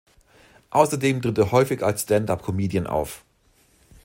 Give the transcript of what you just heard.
Außerdem tritt er häufig als Stand-Up-Comedian auf.